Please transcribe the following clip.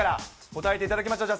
答えていただきましょう。